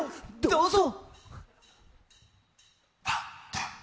どうぞ！